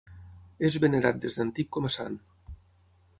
És venerat des d'antic com a sant.